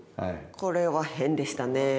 これはヘンでしたね。